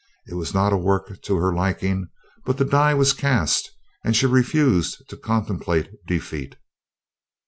It was not a work to her liking, but the die was cast and she refused to contemplate defeat.